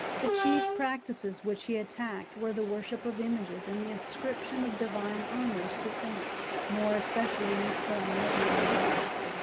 The chief practices which he attacked were the worship of images and the ascription of divine honours to saints—more especially in the form of Mariolatry.